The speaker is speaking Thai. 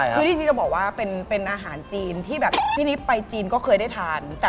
คือที่ฉันจะบอกว่าเป็นอาหารจีนที่แบบพี่นิดไปจีนก็เคยได้ทาน